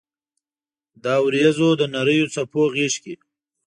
د اوریځو د نریو څپو غېږ کې